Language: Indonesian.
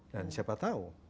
dan siapa tahu